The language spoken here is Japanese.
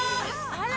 あら！